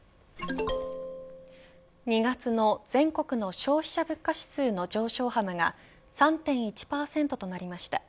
２月の全国の消費者物価指数の上昇幅が３．１％となりました。